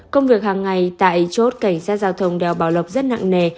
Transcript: công việc hàng ngày tại chốt cảnh sát giao thông đèo bảo lộc rất nặng nề